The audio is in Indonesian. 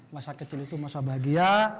masa kecil itu masa bahagia